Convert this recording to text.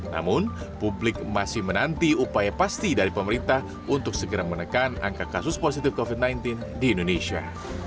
namun publik masih menanti upaya pasti dari pemerintah untuk segera menekan angka kasus positif covid sembilan belas di indonesia